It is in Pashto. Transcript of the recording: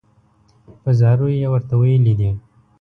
په زاریو یې ورته ویلي دي.